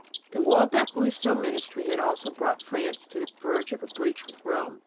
The Waldeck Rousseau ministry had already brought France to the verge of a breach with Rome.